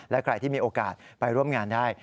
และใครที่มีโอกาสไปร่วมงานได้